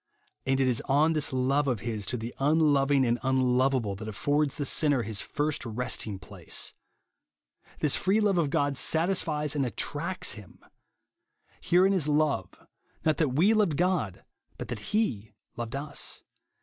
And it is on this love of his to the unloving and unloveable that affords the sinner his first resting place. This free love of God satisfies and attracts him. " Herein is love, not that we loA^ed God, but that he loved us."